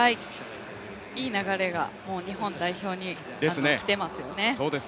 いい流れが日本代表にきていますよね。